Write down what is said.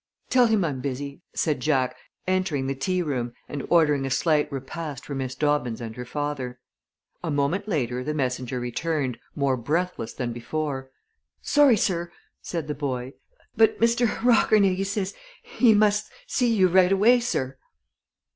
"Tell him I'm busy," said Jack, entering the tea room and ordering a slight repast for Miss Dobbins and her father. A moment later the messenger returned, more breathless than before. "Sorry, sir," said the boy, "but Mr. Rockernegie says he must see you right away, sir."